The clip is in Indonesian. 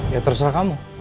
ya terserah kamu